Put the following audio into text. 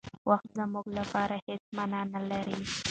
وخت زموږ لپاره هېڅ مانا نه لري.